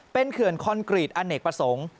เป็นเขื่อนคอนกรีตอเนกประสงค์